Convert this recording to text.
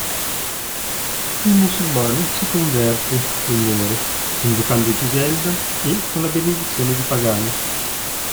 Il musulmano si converte, e muore, invocando Giselda, e con la benedizione di Pagano.